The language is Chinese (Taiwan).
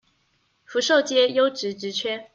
福壽街優質職缺